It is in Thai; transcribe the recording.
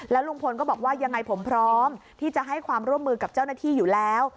ลุงพลก็บอกว่ายังไงผมพร้อมที่จะให้ความร่วมมือกับเจ้าหน้าที่อยู่แล้ว